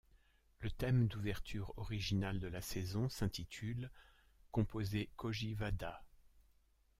Le thème d'ouverture original de la saison s'intitule ' composé Kōji Wada.